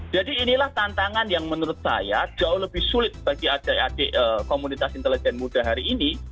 jadi inilah tantangan yang menurut saya jauh lebih sulit bagi adik adik komunitas intelijen muda hari ini